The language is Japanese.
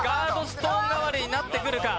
ストーン代わりになってくるか。